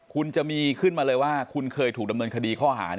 คุณจะมีขึ้นมาเลยว่าคุณเคยถูกดำเนินคดีข้อหา